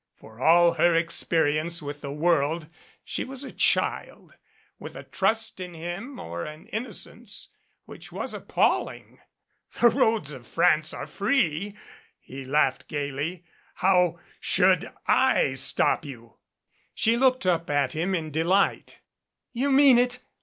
For all her experience with the world she was a child with a trust in him or an in nocence which was appalling. "The roads of France are free," he laughed gayly. "How should / stop you." She looked up at him in delight. "You mean it?